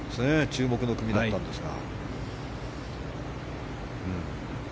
注目の組だったんですが。